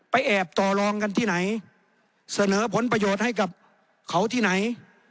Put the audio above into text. แอบต่อรองกันที่ไหนเสนอผลประโยชน์ให้กับเขาที่ไหน